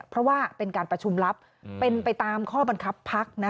เพราะว่าเป็นการประชุมลับเป็นไปตามข้อบังคับพัก